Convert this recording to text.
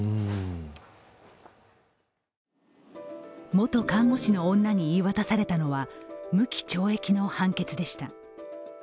元看護師の女に言い渡されたのは無期懲役の判決でした。